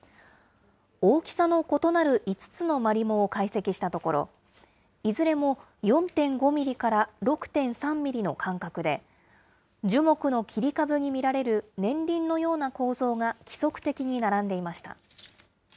大きさの異なる５つのマリモを解析したところ、いずれも４．５ミリから６．３ミリの間隔で、樹木の切り株に見られる年輪のような構造が規則的に並んでいました。